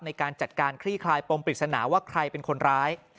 ในการจัดการคลี่คลายปมปริศนาว่าใครเป็นคนร้าย